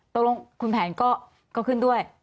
ตกลงคุณแผนก็ขึ้นด้วย